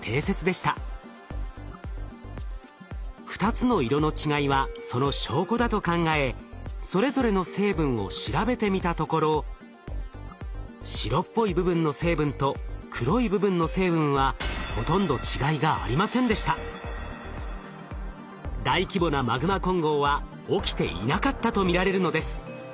２つの色の違いはその証拠だと考えそれぞれの成分を調べてみたところ白っぽい部分の成分と黒い部分の成分は大規模なマグマ混合は起きていなかったと見られるのです。